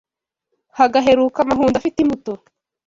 hagaheruka amahundo afite imbuto